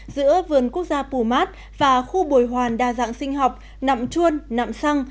giữa vườn quốc gia pù mát và khu bồi hoàn đa dạng sinh học nạm chuôn nạm săng